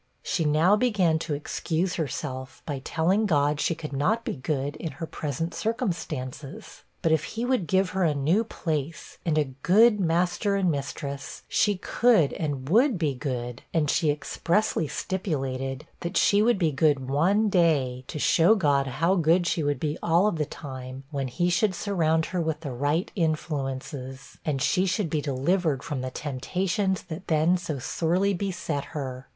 She now began to excuse herself, by telling God she could not be good in her present circumstances; but if he would give her a new place, and a good master and mistress, she could and would be good; and she expressly stipulated, that she would be good one day to show God how good she would be all of the time, when he should surround her with the right influences, and she should be delivered from the temptations that then so sorely beset her.